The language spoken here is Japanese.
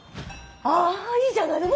あいいじゃないの。